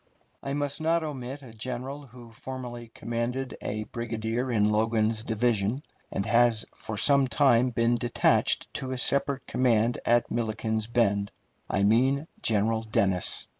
I must not omit a general who formerly commanded a brigade in Logan's division, and has for some time been detached to a separate command at Milliken's Bend. I mean General Dennis.